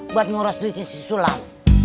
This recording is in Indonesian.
buat nguras duitnya si sulam